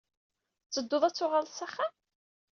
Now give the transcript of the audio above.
Tettedduḍ ad tuɣaleḍ s axxam?